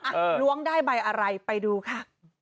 ล้วงได้ใบอะไรไปดูค่ะ